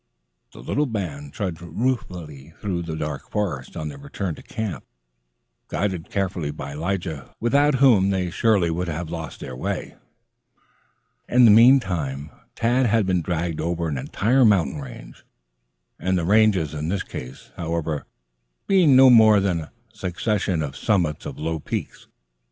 The little band trudged ruefully through the dark forest on their return to camp, guided carefully by Lige, without whom they surely would have lost their way. In the meantime, Tad had been dragged over an entire mountain range, the ranges in this case, however, being no more than a succession of summits of low peaks.